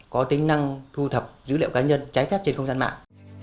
có tính năng thu thập dữ liệu cá nhân trái phép trên không gian mạng